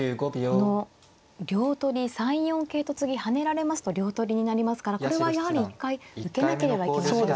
この両取り３四桂と次跳ねられますと両取りになりますからこれはやはり一回受けなければいけませんか。